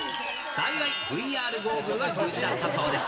幸い、ＶＲゴーグルは無事だったそうです。